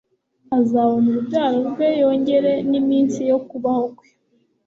azabona urubyaro rwe yongere n'iminsi yo kubaho kwe